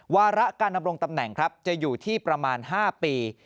วาระการดำรงตำแหน่งครับจะอยู่ที่ประมาณ๕ปี